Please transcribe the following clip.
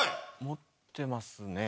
持ってますね。